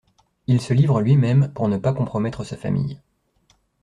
Il se livre lui-même pour ne pas compromettre sa famille.